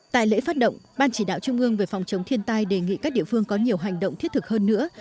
tại lễ phát động ban chỉ đạo trung ương về phòng chống thiên tai đề nghị các địa phương có nhiều hành động thiết thực hơn nữa